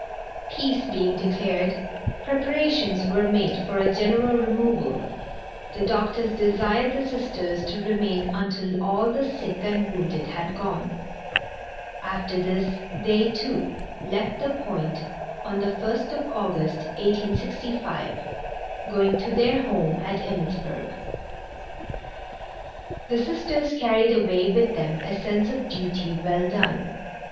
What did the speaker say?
Peace being declared, preparations were made for a general removal. The doctors desired the Sisters to remain until all the sick and wounded had gone. After this they, too, left the Point on the 1st of August, 1865, going to their home at Emmittsburg. The Sisters carried away with them a sense of duty well done.